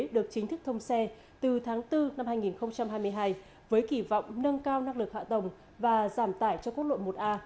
được chính thức thông xe từ tháng bốn năm hai nghìn hai mươi hai với kỳ vọng nâng cao năng lực hạ tầng và giảm tải cho quốc lộ một a